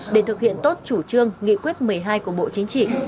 để thực hiện tốt chủ trương nghị quyết một mươi hai của bộ chính trị